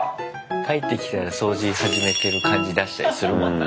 帰ってきたら掃除始めてる感じ出したりするもんな。